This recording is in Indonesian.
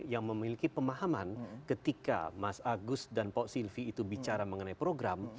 yang memiliki pemahaman ketika mas agus dan pak silvi itu bicara mengenai program